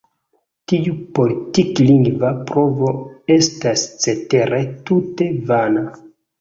Tiu politik-lingva provo estas cetere tute vana.